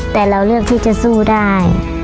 แต่เราเลือกที่จะสู้ได้